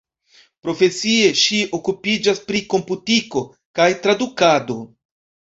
Profesie ŝi okupiĝas pri komputiko kaj tradukado.